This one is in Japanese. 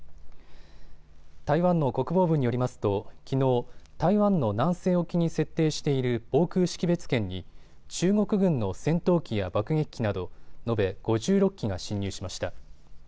台湾の国防部によりますときのう台湾の南西沖に設定している防空識別圏に中国軍の戦闘機や爆撃機など延べ５６機が進入しました。